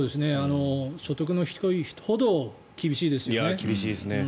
所得の低い人ほど厳しいですよね。